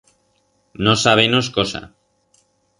No sabenos cosa